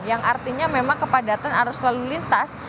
yang artinya memang kepadatan arus lalu lintas